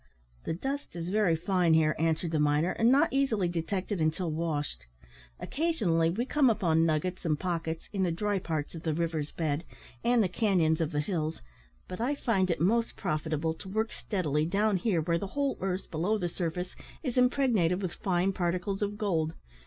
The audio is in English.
"The dust is very fine here," answered the miner, "and not easily detected until washed. Occasionally we come upon nuggets and pockets in the dry parts of the river's bed, and the canons of the hills, but I find it most profitable to work steadily down here where the whole earth, below the surface, is impregnated with fine particles of gold.